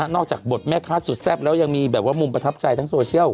จากบทแม่ค้าสุดแซ่บแล้วยังมีแบบว่ามุมประทับใจทั้งโซเชียล